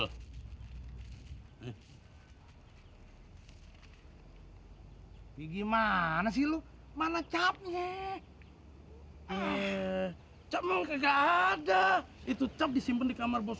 hai gimana sih lu mana capnya eh cemang ke gak ada itu cap disimpan di kamar bos